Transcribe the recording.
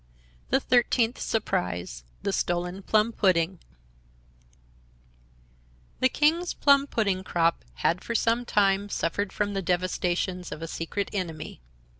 The Thirteenth Surprise THE STOLEN PLUM PUDDING The King's plum pudding crop had for some time suffered from the devastations of a secret enemy.